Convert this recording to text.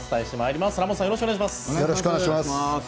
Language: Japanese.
よろしくお願いします。